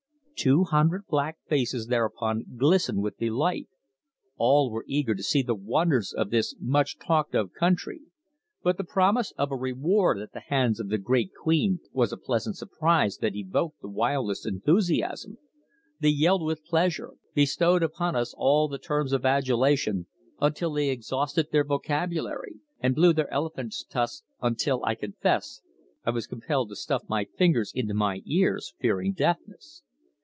Two hundred black faces thereupon glistened with delight. All were eager to see the wonders of this much talked of country, but the promise of a reward at the hands of the great queen was a pleasant surprise that evoked the wildest enthusiasm. They yelled with pleasure, bestowed upon us all the terms of adulation until they exhausted their vocabulary, and blew their elephants' tusks until I confess I was compelled to stuff my fingers into my ears, fearing deafness.